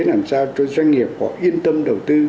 làm sao cho doanh nghiệp họ yên tâm đầu tư